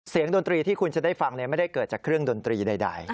ดนตรีที่คุณจะได้ฟังไม่ได้เกิดจากเครื่องดนตรีใด